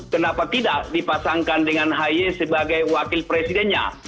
kenapa tidak dipasangkan dengan ahy sebagai wakil presidennya